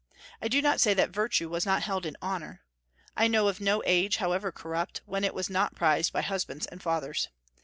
I do not say that virtue was not held in honor. I know of no age, however corrupt, when it was not prized by husbands and fathers.